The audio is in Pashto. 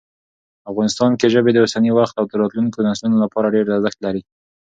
افغانستان کې ژبې د اوسني وخت او راتلونکي نسلونو لپاره ډېر ارزښت لري.